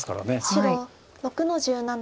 白６の十七。